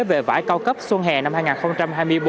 về vải cao cấp xuân hè năm hai nghìn hai mươi bốn